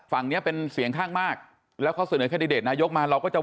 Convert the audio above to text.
ฝั่งนี้เป็นเสียงข้างมากและเขาเสนอคันดิเดตนายกมา